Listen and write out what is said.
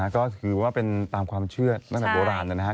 ก็คือว่าเป็นตามความเชื่อตั้งแต่โบราณนะครับ